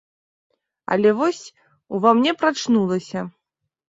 Але вось, ува мне прачнулася.